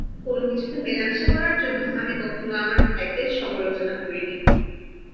কোন কিছুতে মেলামেশা করার জন্য আমি কখনও আমার ভাইদের সমালোচনা করিনি।